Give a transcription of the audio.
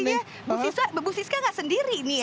tapi sepertinya ibu siska nggak sendiri nih ya